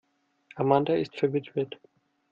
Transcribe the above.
Amanda ist verwitwet.